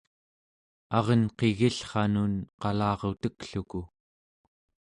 arenqigillranun qalarutekluku